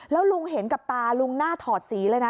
แล้วลุงเห็นกับตาลุงหน้าถอดสีเลยนะ